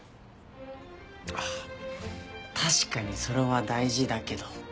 あっ確かにそれは大事だけど。